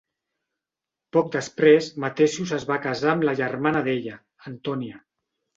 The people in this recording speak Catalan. Poc després, Mathesius es va casar amb la germana d'ella, Antonia.